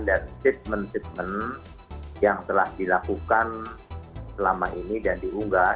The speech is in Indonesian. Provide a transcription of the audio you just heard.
dan statement statement yang telah dilakukan selama ini dan diunggah